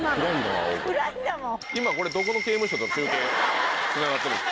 今これどこの刑務所と中継つながってるんですか？